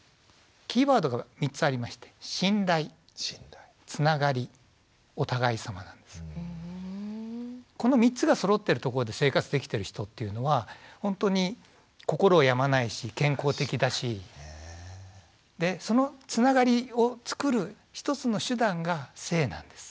キーワードが３つありましてこの３つがそろってるところで生活できてる人っていうのはほんとに心を病まないし健康的だしでそのつながりをつくる一つの手段が性なんです。